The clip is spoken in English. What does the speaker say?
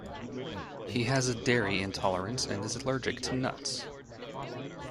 He has a dairy intolerance and is allergic to nuts.